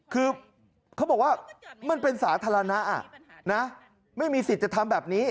คือเขาบอกว่ามันเป็นสาธารณะนะไม่มีสิทธิ์จะทำแบบนี้